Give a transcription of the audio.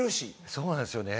そうなんですよね